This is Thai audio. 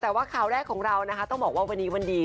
แต่ว่าข่าวแรกของเรานะคะต้องบอกว่าวันนี้วันดี